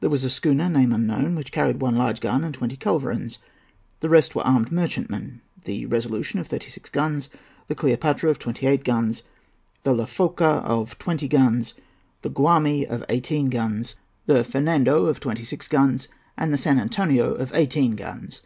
There was a schooner, name unknown, which carried one large gun and twenty culverins. The rest were armed merchantmen, the Resolution, of thirty six guns; the Cleopatra, of twenty eight guns; the La Focha, of twenty guns; the Guarmey, of eighteen guns; the Fernando, of twenty six guns, and the San Antonio, of eighteen guns.